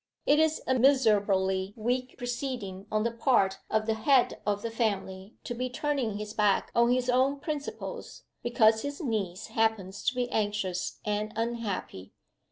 It is a miserably weak proceeding on the part of 'the head of the family' to be turning his back on his own principles, because his niece happens to be anxious and unhappy.